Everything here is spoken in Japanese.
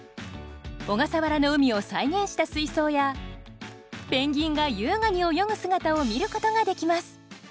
小笠原の海を再現した水槽やペンギンが優雅に泳ぐ姿を見ることができます。